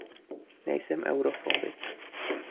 Nejsem eurofobik.